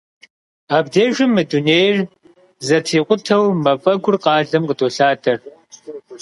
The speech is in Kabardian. Абдежым мы дунейр зэтрикъутэу мафӏэгур къалэм къыдолъадэр.